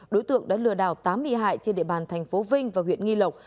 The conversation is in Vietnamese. đối tượng đã lừa đảo tám bị hại trên địa bàn thành phố vinh và huyện nghi lộc